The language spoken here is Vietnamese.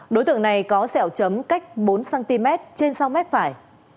đối tượng này có sẹo chấm cách bốn cm trên sau mép phải